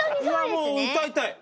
いやもう歌いたい。